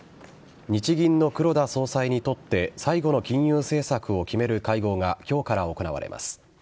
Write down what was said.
日銀の黒田総裁にとって最後の金融政策を決める会合が今日から行われます。